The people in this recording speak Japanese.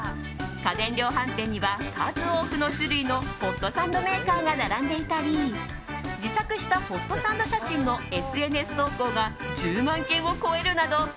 家電量販店には数多くの種類のホットサンドメーカーが並んでいたり自作したホットサンド写真のＳＮＳ投稿が１０万件を超えるなど